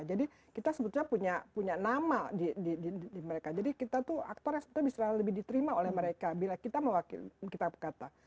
jadi kita sebetulnya punya nama di mereka jadi kita tuh aktor yang sebenarnya bisa lebih diterima oleh mereka bila kita mewakili kita berkata